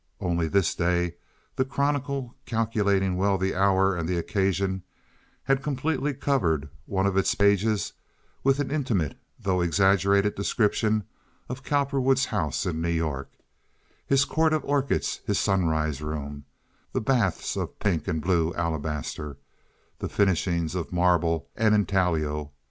Only this day, the Chronicle, calculating well the hour and the occasion, has completely covered one of its pages with an intimate, though exaggerated, description of Cowperwood's house in New York: his court of orchids, his sunrise room, the baths of pink and blue alabaster, the finishings of marble and intaglio.